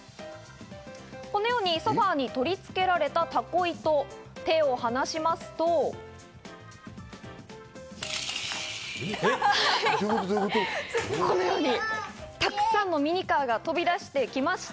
このようにソファに取り付けられたタコ糸、手を離しますとこのようにたくさんのミニカーが飛び出してきました。